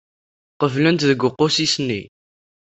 Qeblen-tt deg uqusis-nni.